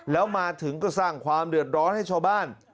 แล้วมาถึงก็สร้างความเดือดร้อนให้ชาวบ้าน